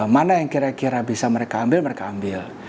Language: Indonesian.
mana yang kira kira bisa mereka ambil mereka ambil